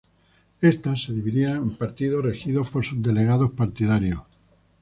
Estas se dividían en partidos regidos por subdelegados partidarios.